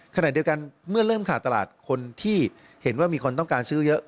ขณะเดียวกันเมื่อเริ่มขาดตลาดคนที่เห็นว่ามีคนต้องการซื้อเยอะ